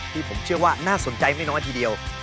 ที่ผมเชื่อว่าน่าสนใจไม่น้อยทีเดียว